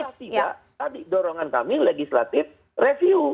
kalau tidak tadi dorongan kami legislatif review